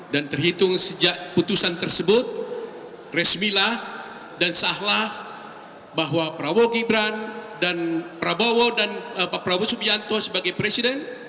dan terhitung sejak putusan tersebut resmilah dan sahlah bahwa prabowo gibran dan prabowo subianto sebagai presiden